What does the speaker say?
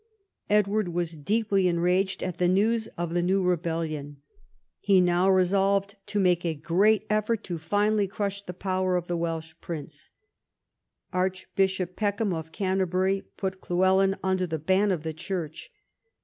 Edward was deeply enraged at the news of the new rebellion. He now resolved to make a great efibrt to finally crush the power of the Welsh prince. Archbishop Peckham of Canter bury put Llywelyn under the ban of the Church.